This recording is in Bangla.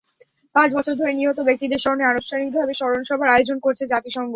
পাঁচ বছর ধরে নিহত ব্যক্তিদের স্মরণে আনুষ্ঠানিকভাবে স্মরণসভার আয়োজন করছে জাতিসংঘ।